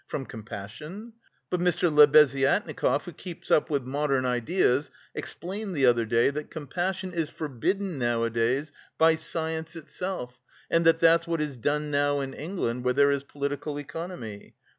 From compassion? But Mr. Lebeziatnikov who keeps up with modern ideas explained the other day that compassion is forbidden nowadays by science itself, and that that's what is done now in England, where there is political economy.